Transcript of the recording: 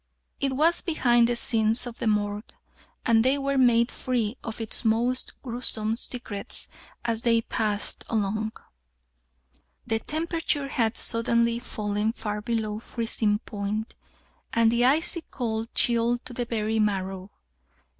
It was behind the scenes of the Morgue, and they were made free of its most gruesome secrets as they passed along. The temperature had suddenly fallen far below freezing point, and the icy cold chilled to the very marrow.